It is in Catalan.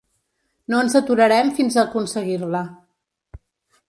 No ens aturarem fins a aconseguir-la.